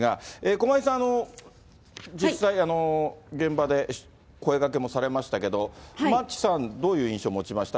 駒井さん、実際、現場で声がけもされましたけれども、マッチさん、どういう印象持ちました？